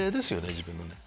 自分のね。